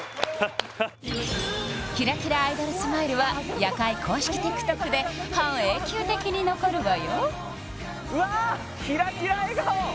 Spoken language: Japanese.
キラキラアイドルスマイルは「夜会」公式ＴｉｋＴｏｋで半永久的に残るわよ